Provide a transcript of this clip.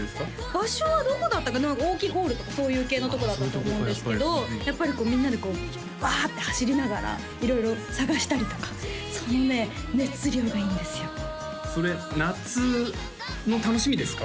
場所はどこだったか大きいホールとかそういう系のとこだったと思うんですけどやっぱりみんなでこうバーッて走りながら色々探したりとかそのね熱量がいいんですよそれ夏の楽しみですか？